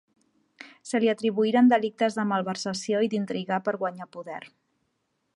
Se li atribuïren delictes de malversació i d'intrigar per guanyar poder.